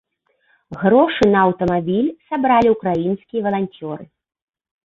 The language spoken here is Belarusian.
Грошы на аўтамабіль сабралі ўкраінскія валанцёры.